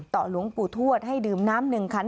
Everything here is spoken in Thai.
หลวงปู่ทวดให้ดื่มน้ำ๑คัน